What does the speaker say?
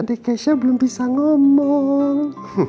dekesya belum bisa ngomong